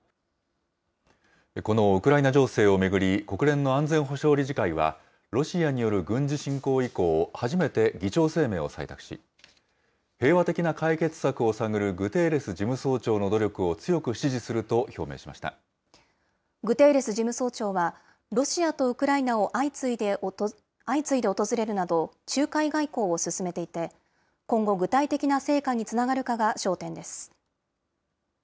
このウクライナ情勢を巡り、国連の安全保障理事会は、ロシアによる軍事侵攻以降、初めて議長声明を採択し、平和的な解決策を探るグテーレス事務総長の努力を強く支持するとグテーレス事務総長は、ロシアとウクライナを相次いで訪れるなど、仲介外交を進めていて、今後、具体的な成果につながるかが焦点です。